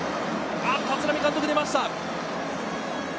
立浪監督が出ました。